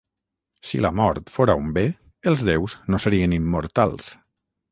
Si la mort fóra un bé, els déus no serien immortals